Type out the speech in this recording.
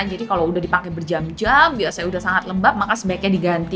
jadi kalau udah dipakai berjam jam ya saya udah sangat lembab maka sebaiknya diganti